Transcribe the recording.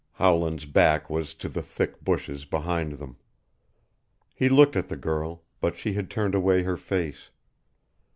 Howland's back was to the thick bushes behind them. He looked at the girl, but she had turned away her face.